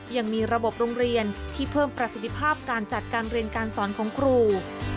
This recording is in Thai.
ยังมีระบบโรงเรียนที่เพิ่มประสิทธิภาพการจัดการเรียนการสอนของครู